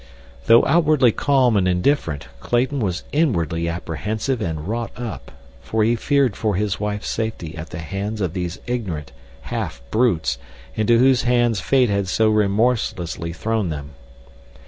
Though outwardly calm and indifferent, Clayton was inwardly apprehensive and wrought up, for he feared for his wife's safety at the hands of these ignorant, half brutes into whose hands fate had so remorselessly thrown them.